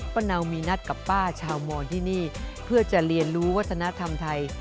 เนามีนัดกับป้าชาวมอนที่นี่เพื่อจะเรียนรู้วัฒนธรรมไทย